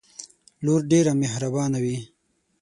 لور ډیره محربانه وی